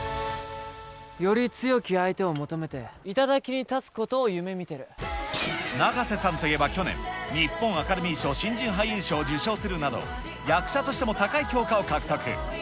より強き相手を求めて、永瀬さんといえば去年、日本アカデミー賞新人俳優賞を受賞するなど、役者としても高い評価を獲得。